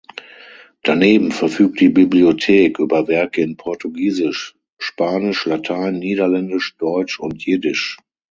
Daneben verfügt die Bibliothek über Werke in Portugiesisch, Spanisch, Latein, Niederländisch, Deutsch und Jiddisch.